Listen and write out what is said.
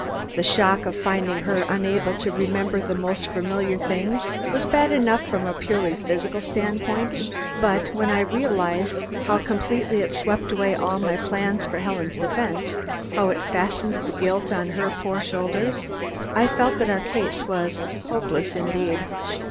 The shock of finding her unable to remember the most familiar things was bad enough from a purely physical standpoint, but when I realized how completely it swept away all my plans for Helen's defense, how it fastened the guilt on her poor shoulders, I felt that our case was hopeless indeed.